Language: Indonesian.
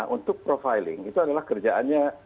untuk profiling itu adalah kerjaannya